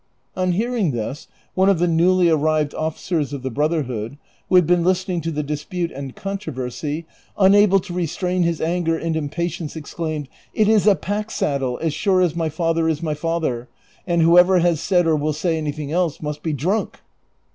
On hearing this one of the newly arrived officers of the Brotherhood, who had been listening to the dispute and con troversy, unable to restrain his anger and impatience, ex claimed, '' It is a pack saddle as sure as iny father is my father, and whoever has said or Avill say anything else must be drunk."